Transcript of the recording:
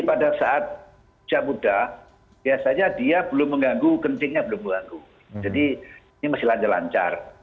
pada saat umur muda biasanya dia belum mengganggu kend preisnya belum dengan jadi ini masih lancar